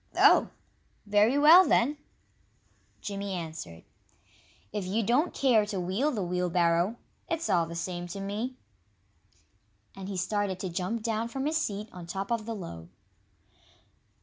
"Oh, very well, then!" Jimmy answered. "If you don't care to wheel the wheelbarrow, it's all the same to me." And he started to jump down from his seat on top of the load.